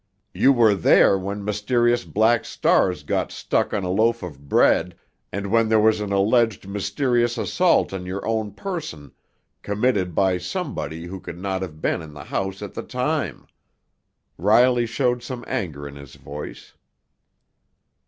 You were there when mysterious black stars got stuck on a loaf of bread and when there was an alleged mysterious assault on your own person committed by somebody who could not have been in the house at the time." Riley showed some anger in his voice.